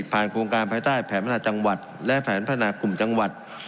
โครงการภายใต้แผนพัฒนาจังหวัดและแผนพัฒนากลุ่มจังหวัด